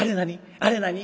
あれ何？」。